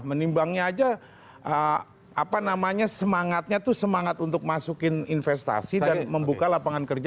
menimbangnya aja apa namanya semangatnya itu semangat untuk masukin investasi dan membuka lapangan kerja